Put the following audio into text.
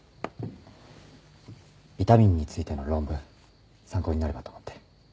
ビタミンについての論文参考になればと思って。